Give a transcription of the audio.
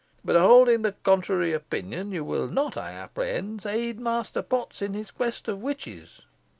But, holding the contrary opinion, you will not, I apprehend, aid Master Potts in his quest of witches."